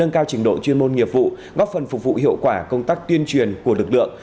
nâng cao trình độ chuyên môn nghiệp vụ góp phần phục vụ hiệu quả công tác tuyên truyền của lực lượng